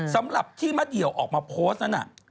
สำหรับที่มะเดี่ยวออกมาโพสต์นั้นน่ะ